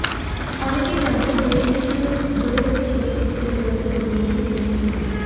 অনেকেই জানত, ধরে রেখেছিল দিতি চলে যাবে যেকোনো দিন, যেকোনো সময়।